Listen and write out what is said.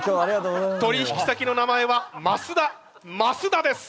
取引先の名前は増田増田です！